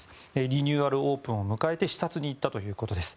リニューアルオープンを迎え視察に行ったということです。